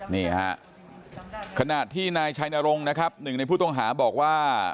นี่ฮะขณะที่นายชัยนรงค์นะครับหนึ่งในผู้ต้องหาบอกว่า